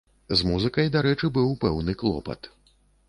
З музыкай, дарэчы, быў пэўны клопат.